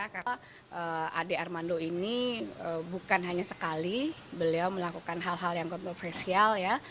karena ade armando ini bukan hanya sekali beliau melakukan hal hal yang kontroversial